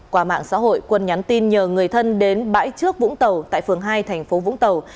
qua mạng xã hội quân nhắn tin nhờ người thân đến bãi trước vũng tàu tại phường hai thành phố vũng tàu